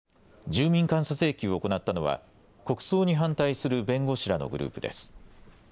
住民監査請求を行ったのは国葬に反対する弁護士らのグループです。